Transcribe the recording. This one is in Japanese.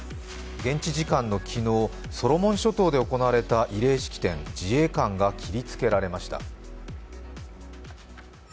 現地時間の昨日、ソロモン諸島で行われた慰霊式典、自衛官が切りつけられました。